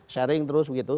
sharing terus begitu